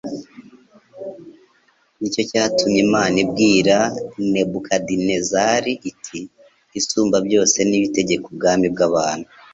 Nicyo cyatumye Imana ibwira Nebukadinezari iti: «Isumba byose niyo itegeka ubwami bw'abantu...